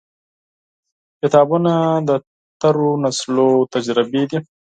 • کتابونه، د تیرو نسلونو تجربې دي.